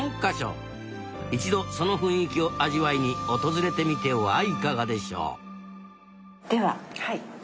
一度その雰囲気を味わいに訪れてみてはいかがでしょう？